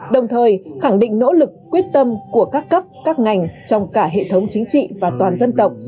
đồng thời khẳng định nỗ lực quyết tâm của các cấp các ngành trong cả hệ thống chính trị và toàn dân tộc